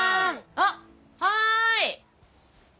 あっはい！